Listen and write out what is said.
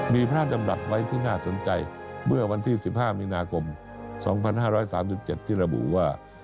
มีพระราชดำรัฐไว้ที่น่าสนใจเมื่อวันที่๑๕มีนาคม๒๕๓๗ที่ระบุว่า